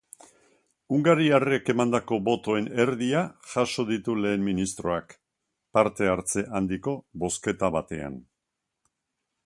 Hungariarrek emandako botoen erdia jaso ditu lehen ministroak, parte-hartze handiko bozketa batean.